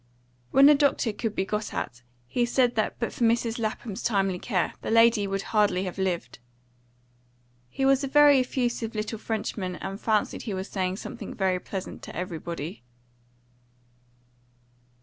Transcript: When a doctor could be got at, he said that but for Mrs. Lapham's timely care, the lady would hardly have lived. He was a very effusive little Frenchman, and fancied he was saying something very pleasant to everybody.